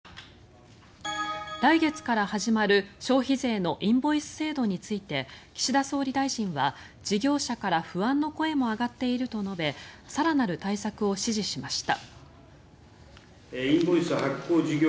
来月から始まる消費税のインボイス制度について岸田総理大臣は、事業者から不安の声も上がっていると述べ更なる対策を指示しました。